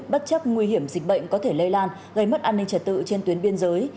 bất chấp nguy hiểm dịch bệnh có thể lây lan gây mất an ninh trật tự trên tuyến biên giới